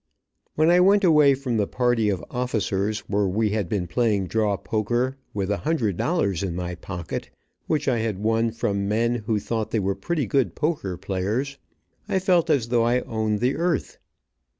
When I went away from the party of officers, where we had been playing draw poker, with a hundred dollars in my pocket, which I had won from men who thought they were pretty good poker players, I felt as though I owned the earth.